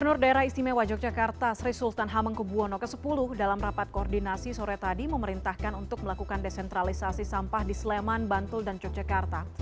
penur daerah istimewa yogyakarta sri sultan hamengkubwono x dalam rapat koordinasi sore tadi memerintahkan untuk melakukan desentralisasi sampah di sleman bantul dan yogyakarta